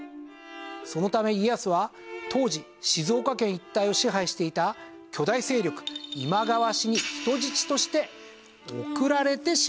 そのため家康は当時静岡県一帯を支配していた巨大勢力今川氏に人質として送られてしまいます。